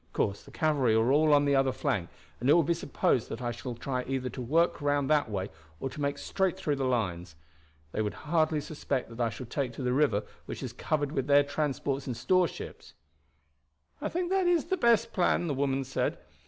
Of course the cavalry are all on the other flank, and it will be supposed that I shall try either to work round that way or to make straight through the lines. They would hardly suspect that I shall take to the river, which is covered with their transports and store ships." "I think that is the best plan," the woman said.